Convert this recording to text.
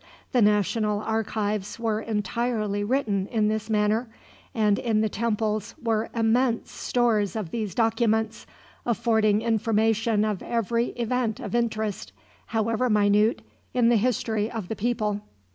The national archives were entirely written in this manner, and in the temples were immense stores of these documents, affording information of every event of interest, however minute, in the history of the people.